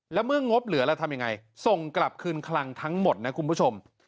แล้วเมื่องบเหลือแล้วทำยังไงส่งกลับคืนคลังทั้งหมดนะคุณผู้ชม